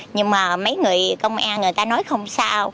nhưng mà mấy người công an người ta nói không sao